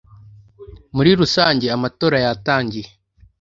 muri rusange amatora yatangiye